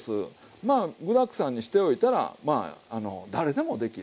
まあ具だくさんにしておいたら誰でもできる。